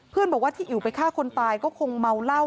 บอกว่าที่อิ๋วไปฆ่าคนตายก็คงเมาเหล้า